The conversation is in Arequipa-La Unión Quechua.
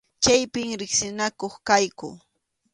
Chaypim riqsinakuq kayku.